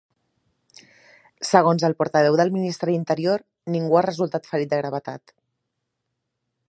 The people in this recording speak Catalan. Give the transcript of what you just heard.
Segons el portaveu del Ministre d'Interior, ningú ha resultat ferit de gravetat.